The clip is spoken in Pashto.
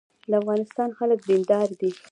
د افغانستان خلک دیندار دي